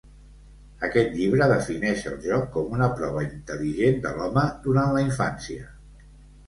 Aquest llibre defineix el joc com una prova intel·ligent de l'home durant la infància.